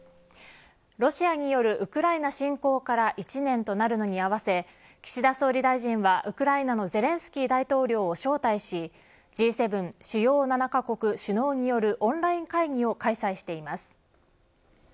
ロシアによるウクライナ侵攻から１年となるのに合わせ岸田総理大臣はウクライナのゼレンスキー大統領を招待しＧ７主要７カ国首脳によるオンライン会議を開催しています。